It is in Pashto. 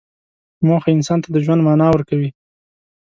موخه انسان ته د ژوند معنی ورکوي.